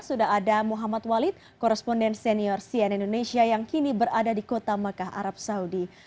sudah ada muhammad walid koresponden senior cn indonesia yang kini berada di kota mekah arab saudi